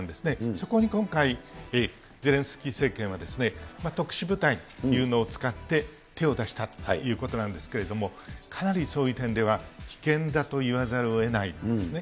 そこに今回、ゼレンスキー政権は特殊部隊というのを使って、手を出したということなんですけれども、かなりそういう点では危険だと言わざるをえないですね。